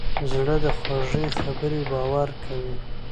زړه د خوږې خبرې باور کوي.